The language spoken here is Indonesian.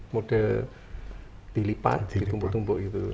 model dilipat ditumpuk tumpuk gitu